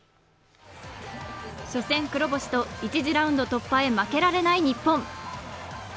初戦黒星と１次ラウンド突破へ負けられない日本。